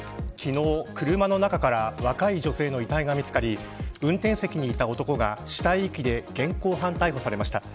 昨日、車の中から若い女性の遺体が見つかり運転席にいた男が死体遺棄で現行犯逮捕されました。